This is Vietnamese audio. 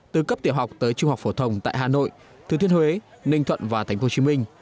từ cấp tiểu học tới trung học phổ thồng tại hà nội thứ thiên huế ninh thuận và tp hcm